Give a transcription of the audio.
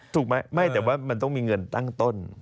ถูกไหมไม่แต่ว่ามันต้องมีเงินตั้งต้น